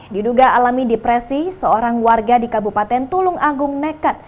diduga alami depresi seorang warga di kabupaten tulung agung nekat